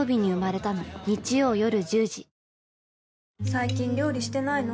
最近料理してないの？